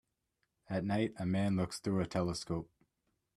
At night, a man looks through a telescope